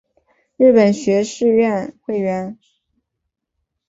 日本学士院会员。